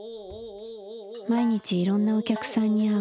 毎日いろんなお客さんに会う」。